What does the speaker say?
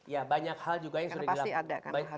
ya banyak hal juga yang sudah dilakukan